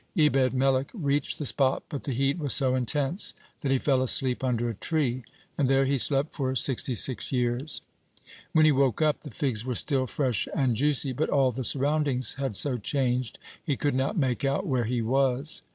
Ebed melech reached the spot, but the heat was so intense that he fell asleep under a tree, and there he slept for sixty six years. When he woke up, the figs were still fresh and juicy, but all the surroundings had so changed, he could not make out where he was.